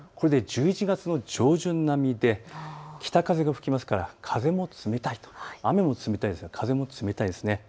１１月の上旬並みで北風が吹きますから風も冷たいと、雨も冷たいですが風も冷たいです。